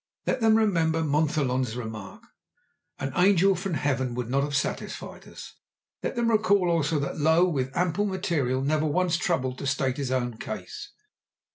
Let them remember Montholon's remark: "An angel from heaven would not have satisfied us." Let them recall also that Lowe with ample material never once troubled to state his own case.